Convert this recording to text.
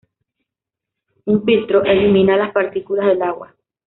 Un filtro, elimina las partículas del agua.